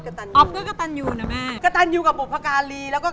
ก็ทำไมคุณรู้อ่ะคุณพูดเขามาแล้วอ่ะ